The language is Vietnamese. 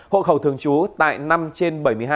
hộ khẩu thường trú tại năm trên bảy mươi hai